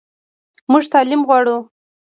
موږ تعلیم غواړو